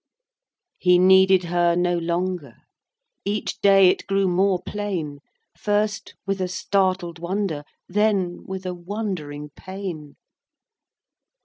VIII. He needed her no longer, Each day it grew more plain; First with a startled wonder, Then with a wondering pain.